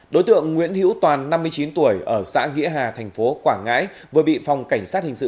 đối tượng nguyễn hữu toàn năm mươi chín tuổi ở xã nghĩa hà thành phố quảng ngãi vừa bị phòng cảnh sát hình sự